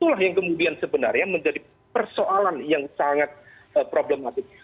itulah yang kemudian sebenarnya menjadi persoalan yang sangat problematik